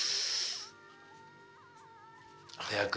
早く。